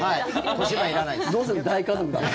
どうする？